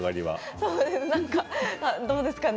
どうですかね